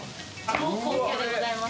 超高級でございます。